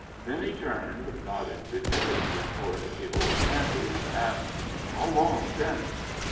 Then he turned, nodded significantly toward the old shanty, and asked: "How long since?"